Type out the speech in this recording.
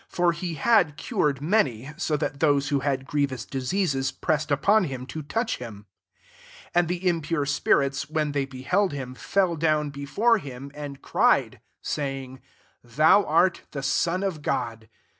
10 For he had cured many \ so that those who had grievQua diseases* pressed upon him, to touch hmu 11 A^d the impure spirits^ when they beheld him^ fell down be fore him, and cried» saying^ " Tho^ art the Son of God?